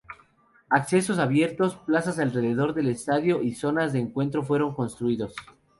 Accesos abiertos, plazas alrededor del estadio y zonas de encuentro fueron construidos.